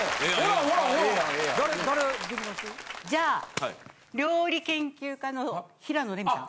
じゃあ料理研究家の平野レミさん。